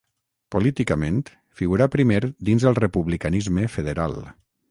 Políticament, figurà primer dins el republicanisme federal.